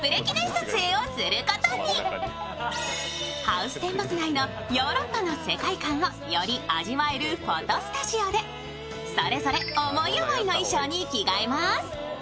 ハウステンボス内のヨーロッパの世界観をより味わえるフォトスタジオで、それぞれ思い思いの衣装に着替えます。